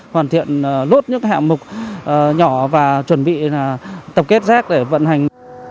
hoàn thiện lốt những hạng mục nhỏ và chuẩn bị tập kết rác để vận hành